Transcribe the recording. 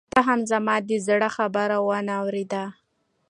تا هم زما د زړه خبره وانه اورېده.